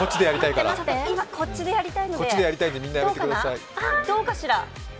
こっちでやりたいから。